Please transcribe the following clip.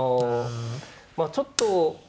あちょっと。